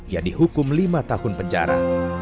ia dihukum lima tahun penjara